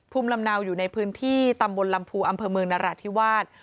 ภูมิลำเนาอยู่ในพื้นที่ตำบลลำพูอำเภอเมืองนราธิวาส